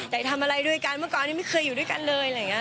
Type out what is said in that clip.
แต่ทำอะไรด้วยกันเมื่อก่อนนี้ไม่เคยอยู่ด้วยกันเลยอะไรอย่างนี้